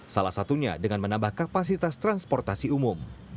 salah satunya dengan menambah kapasitas transportasi umum